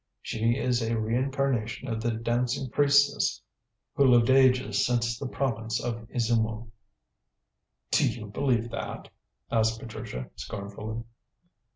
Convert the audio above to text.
She is a reincarnation of the dancing priestess who lived ages since in the province of Izumo." "Do you believe that?" asked Patricia scornfully.